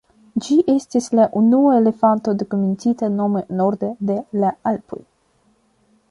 Ĝi estis la unua elefanto dokumentita nome norde de la Alpoj.